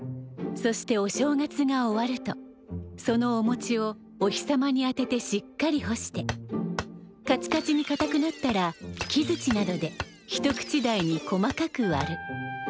そしてお正月が終わるとそのおもちをお日様に当ててしっかり干してカチカチにかたくなったら木づちなどで一口大に細かく割る。